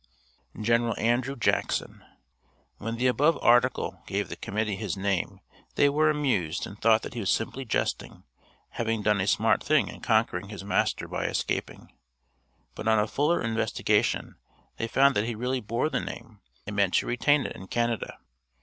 "GENERAL ANDREW JACKSON." When the above "article" gave the Committee his name they were amused and thought that he was simply jesting, having done a smart thing in conquering his master by escaping; but on a fuller investigation they found that he really bore the name, and meant to retain it in Canada.